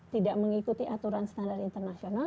tidak mengikuti aturan standar internasional